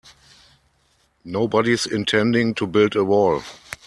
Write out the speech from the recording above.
Nobody's intending to build a wall.